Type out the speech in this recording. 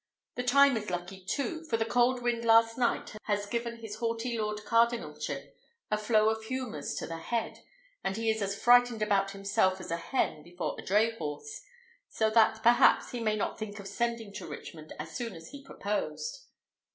The time is lucky, too, for the cold wind last night has given his haughty lord cardinalship a flow of humours to the head, and he is as frightened about himself as a hen before a dray horse; so that, perhaps, he may not think of sending to Richmond so soon as he proposed.